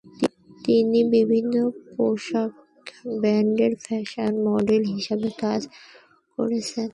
তিনি বিভিন্ন পোশাক ব্র্যান্ডের ফ্যাশন মডেল হিসাবে কাজ করেছেন।